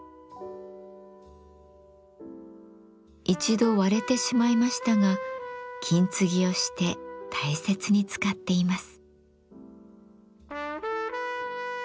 一度割れてしまいましたが金継ぎをして大切に使っています。